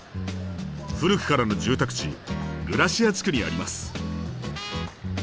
古くからの住宅地グラシア地区にあります。